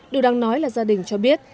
điều đang nói là gia đình cho biết